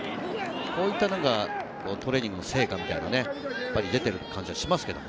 こういったトレーニングの成果というのが出ている感じがしますけどね。